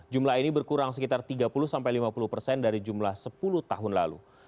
jumlah ini berkurang sekitar tiga puluh sampai lima puluh persen dari jumlah sepuluh tahun lalu